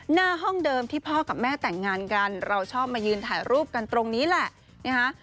หน้าห้องเดิมที่พ่อกับแม่แต่งงานกันเราชอบมายืนถ่ายรูปกันตรงนี้แหละนะคะ